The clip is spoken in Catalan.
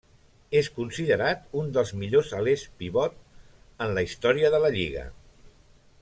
És considerat un dels millors alers pivot en la història de la lliga.